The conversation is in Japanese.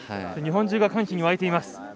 日本中が歓喜に沸いています。